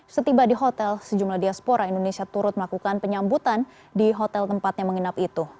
setiba di hotel sejumlah diaspora indonesia turut melakukan penyambutan di hotel tempatnya menginap itu